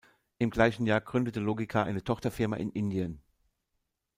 Im gleichen Jahr gründete Logica eine Tochterfirma in Indien.